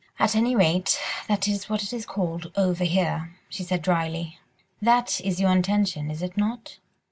"At any rate, that is what it is called over here," she said drily. "That is your intention, is it not?"